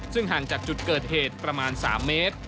ซึ่งห่างจากจุดเกิดเหตุประมาณ๓เมตร